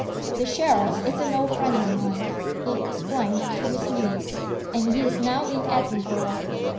"The Sheriff is an old friend of mine," he explained to his niece. "And he is now in Edinburgh.